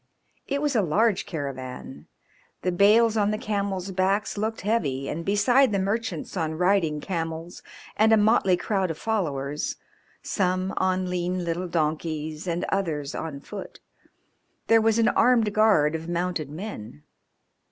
It was a large caravan; the bales on the camels' backs looked heavy, and beside the merchants on riding camels and a motley crowd of followers some on lean little donkeys and others on foot there was an armed guard of mounted men.